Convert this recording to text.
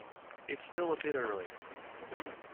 It's still a bit early.